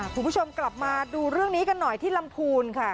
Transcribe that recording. คุณผู้ชมกลับมาดูเรื่องนี้กันหน่อยที่ลำพูนค่ะ